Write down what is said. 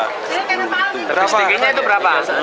lebih sedikitnya itu berapa